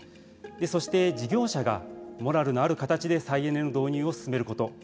そして事業者がモラルのある形で再エネの導入を進めること。